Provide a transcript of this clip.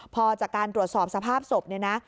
พอจากการตรวจสอบสภาพศพเนี่ยนะ